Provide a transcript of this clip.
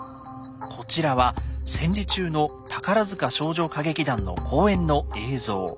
こちらは戦時中の宝少女歌劇団の公演の映像。